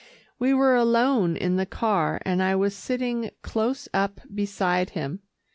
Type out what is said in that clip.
We were alone in the car, and I was sitting close up beside him.